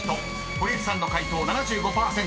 ［堀内さんの解答７５％］